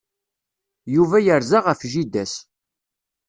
Yuba yerza ɣef jida-s.